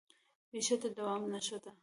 ریښه د دوام نښه ده.